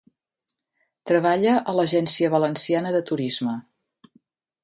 Treballa a l'Agència Valenciana de Turisme.